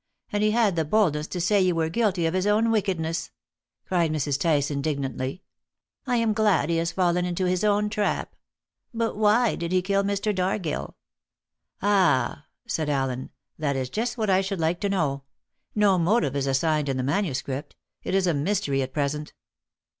And he had the boldness to say you were guilty of his own wickedness!" cried Mrs. Tice indignantly. "I am glad he has fallen into his own trap. But why did he kill Mr. Dargill?" "Ah," said Allen, "that is just what I should like to know. No motive is assigned in the manuscript. It is a mystery at present."